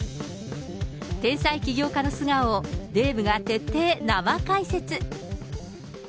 天才起業家の素顔を、デーブが徹底生解説。